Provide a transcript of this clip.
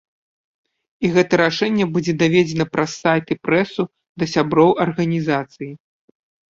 І гэта рашэнне будзе даведзена праз сайт і прэсу да сяброў арганізацыі.